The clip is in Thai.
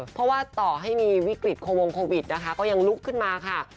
เพราะว่าต่อให้มีวิกฤตโควงโควิดนะคะก็ยังลุกขึ้นมาค่ะ